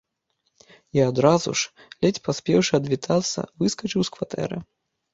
І адразу ж, ледзьве паспеўшы адвітацца, выскачыў з кватэры.